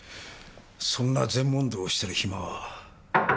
そんな禅問答してる暇は。